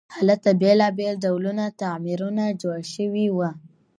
هلته بیلابیل ډوله تعمیرونه جوړ شوي وو.